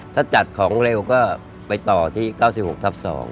ถ้าจัดของเร็วก็ไปต่อที่๙๖ทับ๒